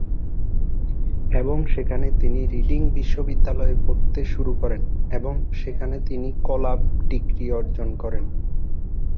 এবং সেখানে তিনি রিডিং বিশ্ববিদ্যালয়ে পড়তে শুরু করেন এবং সেখান থেকে কলা ডিগ্রি অর্জন করেন।